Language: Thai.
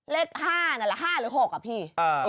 เลข๕นั่นแหละ๕หรือ๖อ่ะพี่